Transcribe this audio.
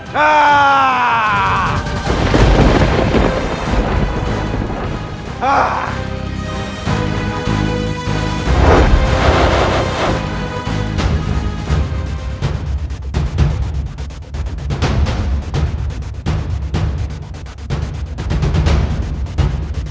kau bisa saja lari